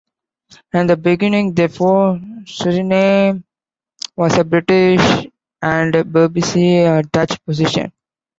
In the beginning, therefore, Suriname was a British and Berbice a Dutch possession.